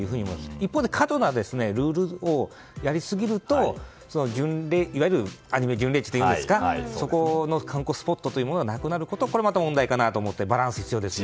一方で、過度なルールをやりすぎるとアニメ巡礼地というんですかそこの観光スポットというものがなくなることこれまた問題かなと思ってバランスが大事ですね。